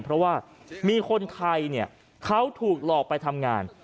เพราะว่ามีคนไทยเขาถูกหลอกไปทำงาน